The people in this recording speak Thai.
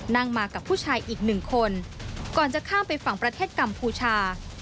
นั่งมากับผู้ชายอีกหนึ่งคนก่อนจะข้ามไปฝั่งประเทศกัมพูชา